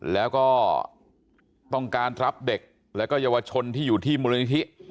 แล้วก็ต้องการรับเด็กแล้วก็เยาวชนที่อยู่ที่มูลนิธิ